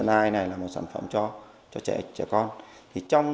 ai này là một sản phẩm cho trẻ con